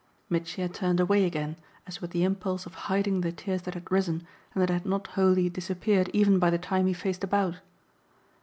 Mitchy had turned away again as with the impulse of hiding the tears that had risen and that had not wholly disappeared even by the time he faced about.